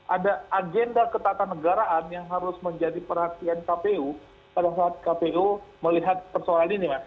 ada agenda ketatanegaraan yang harus menjadi perhatian kpu pada saat kpu melihat persoalan ini mas